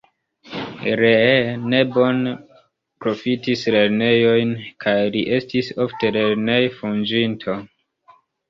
Lee ne bone profitis lernejojn, kaj li estis ofte lernej-fuĝinto.